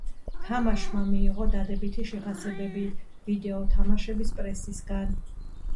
თამაშმა მიიღო დადებითი შეფასებები ვიდეო თამაშების პრესისგან.